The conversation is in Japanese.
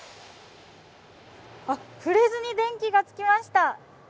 触れずに電気がつきました。